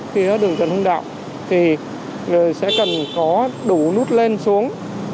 phía đường trấn hương đạo thì sẽ cần có đủ nút lên xuống